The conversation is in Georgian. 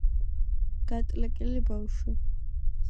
გატლეკილი ბავშვი